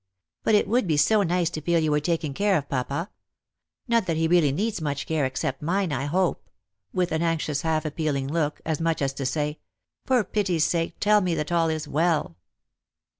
But it would be so nice to feel you were taking care of papa. Not that he really needs much care, except mine, I hope," with an anxious half appealing look, as much as to say, " For pity's sake, tell me that all is well."